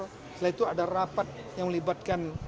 setelah itu ada rapat yang melibatkan